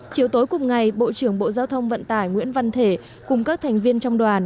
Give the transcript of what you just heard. chiều tối cùng ngày bộ trưởng bộ giao thông vận tải nguyễn văn thể cùng các thành viên trong đoàn